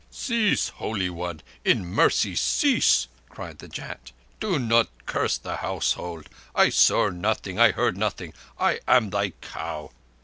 "Cease, Holy One! In mercy, cease!" cried the Jat. "Do not curse the household. I saw nothing! I heard nothing! I am thy cow!"